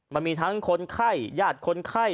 มันมีทั้งคนไข้ญาติคนไข้